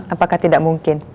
apakah tidak mungkin